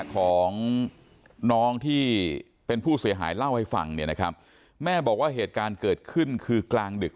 ของน้องที่เป็นผู้เสียหายเล่าให้ฟังเนี่ยนะครับแม่บอกว่าเหตุการณ์เกิดขึ้นคือกลางดึก